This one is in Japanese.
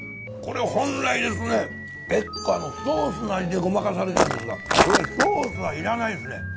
これ本来ですね結構ソースの味でごまかされちゃうんですがこれソースは要らないですね。